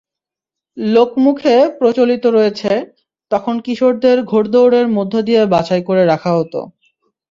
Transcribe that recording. লোকমুখে প্রচলিত রয়েছে, তখন কিশোরদের ঘোড়দৌড়ের মধ্য দিয়ে বাছাই করে রাখা হতো।